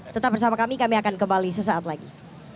tetap bersama kami kami akan kembali sesaat lagi